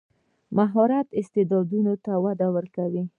مهارت استعداد ته وده ورکوي.